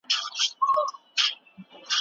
په هره کيسه کي به د پند خبره لټوئ.